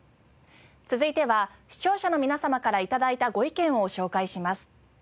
続いては視聴者の皆様から頂いたご意見を紹介します。